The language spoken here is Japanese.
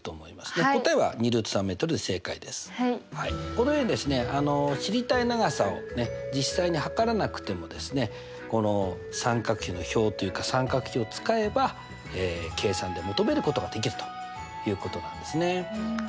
このようにですね知りたい長さを実際に測らなくてもこの三角比の表というか三角比を使えば計算で求めることができるということなんですね。